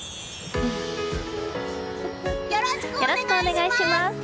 よろしくお願いします！